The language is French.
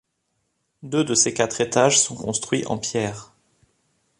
Deux de ses quatre étages sont construits en pierre.